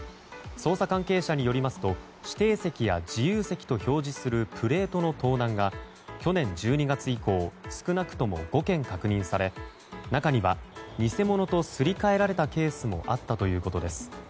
捜査関係者によりますと「指定席」や「自由席」と表示するプレートの盗難が去年１２月以降少なくとも５件確認され中には偽物とすり替えられたケースもあったということです。